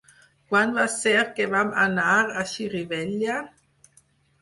Quan va ser que vam anar a Xirivella?